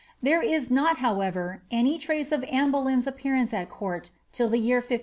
There is not, however, any trace of Anne Boleyn^s appearance at court till the year 1527.